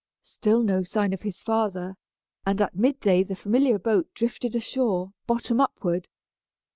Still no sign of his father, and at midday the familiar boat drifted ashore, bottom upward.